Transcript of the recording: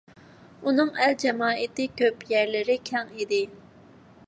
ئۇنىڭ ئەل-جامائىتى كۆپ، يەرلىرى كەڭ ئىدى.